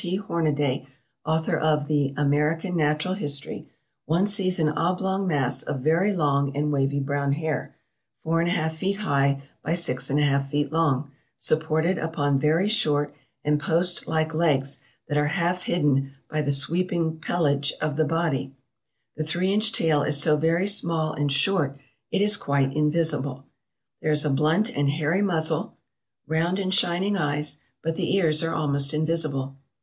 T. Hornaday, author of the "American Natural History," "one sees an oblong mass of very long and wavy brown hair, 41 2 feet high by 6 1 2 feet long, supported upon very short and post like legs that are half hidden by the sweeping pelage of the body. The three inch tail is so very small and short it is quite invisible. There is a blunt and hairy muzzle, round and shining eyes, but the ears are almost invisible.